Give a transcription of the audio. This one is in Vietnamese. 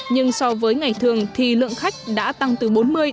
nhưng so với ngày thường thì lượng khách đã tăng từ bốn mươi năm mươi